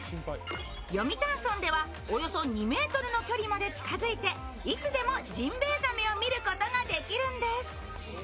読谷村ではおよそ２ｍの距離まで近づいていつでもジンベエザメを見ることができるんです。